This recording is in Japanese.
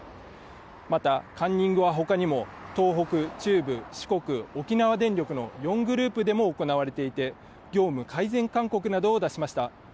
また、カンニングは他にも東北、中部、四国、沖縄電力の４グループでも行われていて、業務改善勧告などを出しました。